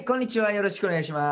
よろしくお願いします。